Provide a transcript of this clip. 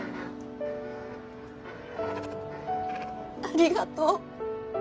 ありがとう